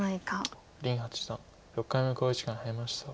林八段６回目の考慮時間に入りました。